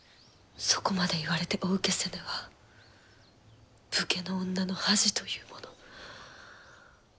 そこまで言われてお受けせぬは武家の女の恥というもの。